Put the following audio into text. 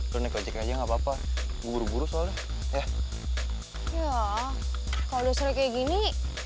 konek aja nggak papa papa guru guru soalnya ya kalau kayak gini